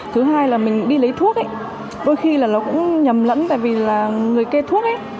thứ hai là mình đi lấy thuốc ấy đôi khi là nó cũng nhầm lẫn tại vì là người kê thuốc ấy